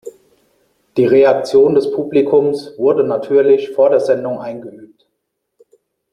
Die Reaktion des Publikums wurde natürlich vor der Sendung eingeübt.